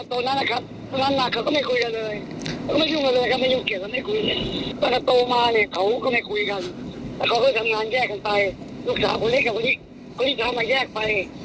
เขาเกิดอาการหลอนจากอะไรอะคะคุณพ่อ